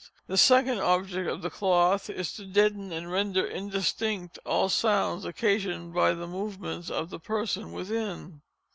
The second object of the cloth is to deaden and render indistinct all sounds occasioned by the movements of the person within.